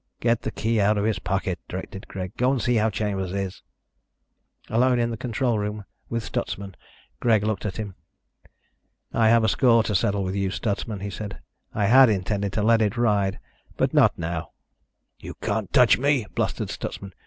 "Get the key out of his pocket," directed Greg. "Go and see how Chambers is." Alone in the control room with Stutsman, Greg looked at him. "I have a score to settle with you, Stutsman," he said. "I had intended to let it ride, but not now." "You can't touch me," blustered Stutsman.